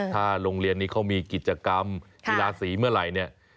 ถ้าโรงเรียนนี้เขามีกิจกรรมกีฬาสีเมื่อไหร่เนี่ย